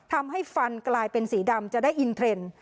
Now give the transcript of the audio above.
ทำให้ฟันกลายเป็นสีดำจะได้อินเทรนด์